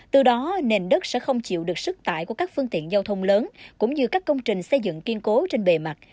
từ đó nền đất sẽ không chịu được sức tải của các phương tiện giao thông lớn cũng như các công trình xây dựng kiên cố trên bề mặt